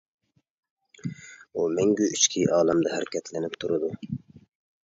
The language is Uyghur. ئۇ مەڭگۈ ئىچكى ئالەمدە ھەرىكەتلىنىپ تۇرىدۇ.